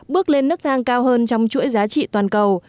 bước lên nước thang cao hơn trong chuỗi giá trị toàn cầu